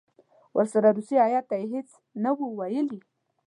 ورسره روسي هیات ته یې هېڅ نه وو ویلي.